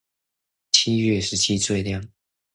七月十七最亮